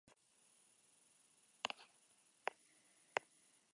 Sin embargo, pudo aferrarse al poder e implementar sus políticas.